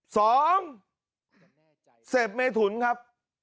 สองเสพเมถุนครับ